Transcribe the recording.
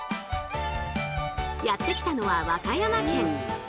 やって来たのは和歌山県。